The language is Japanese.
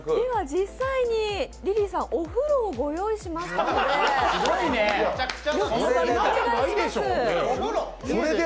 実際にリリーさん、お風呂をご用意しましたので。